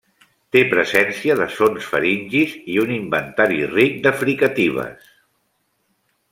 Té presència de sons faringis i un inventari ric de fricatives.